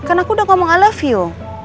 kan aku udah ngomong i love you